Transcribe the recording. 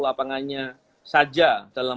lapangannya saja dalam